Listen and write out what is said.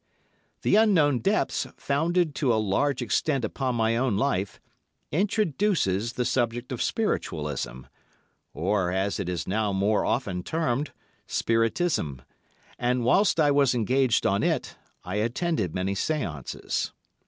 "The Unknown Depths," founded to a large extent upon my own life, introduces the subject of Spiritualism, or, as it is now more often termed, Spiritism, and, whilst I was engaged on it, I attended many séances.